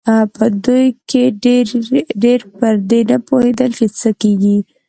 په دوی کې ډېر پر دې نه پوهېدل چې څه کېږي.